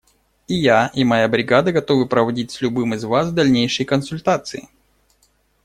И я, и моя бригада готовы проводить с любым из вас дальнейшие консультации.